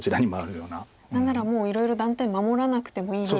何ならもういろいろ断点守らなくてもいいぐらい。